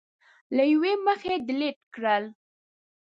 له یوې مخې ډیلېټ کړل